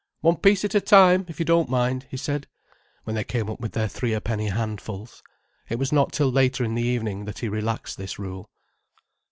"One piece at a time, if you don't mind," he said, when they came up with their three a penny handfuls. It was not till later in the evening that he relaxed this rule.